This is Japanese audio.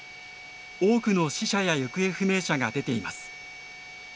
多くの死者や行方不明者が出ています。